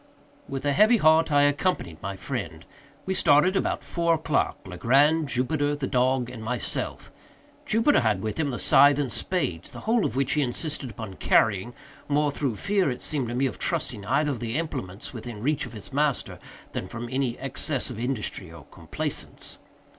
With a heavy heart I accompanied my friend. We started about four o'clock—Legrand, Jupiter, the dog, and myself. Jupiter had with him the scythe and spades—the whole of which he insisted upon carrying—more through fear, it seemed to me, of trusting either of the implements within reach of his master, than from any excess of industry or complaisance.